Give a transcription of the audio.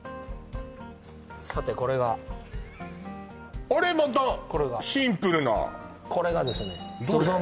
さてこれがあれまたシンプルなこれがですねＺＯＺＯ